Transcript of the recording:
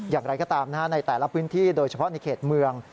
อย่างไรก็ตามในแต่ละพื้นที่โดยเฉพาะในเขตเมือง